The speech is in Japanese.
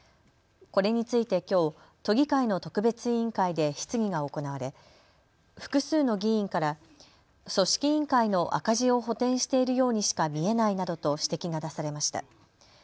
これについてきょう都議会の特別委員会で質疑が行われ複数の議員から組織委員会の赤字を補填しているようにしか見えないなどと指摘が出されました。